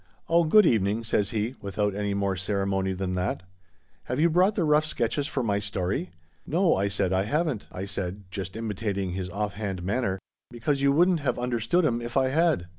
i Oh, good evening,' says he, without any more ceremony than that ; c have you brought the rough sketches for my story ?'' No,' I said, * I haven't,' I said, just imitating his off hand manner, ' because you wouldn't have understood 'em if I 'ad.'